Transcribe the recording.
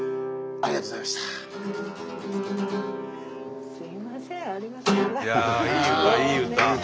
ありがとうございます。